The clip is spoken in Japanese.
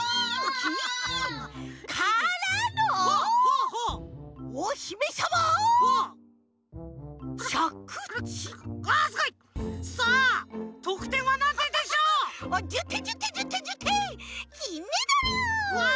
きんメダル！わ！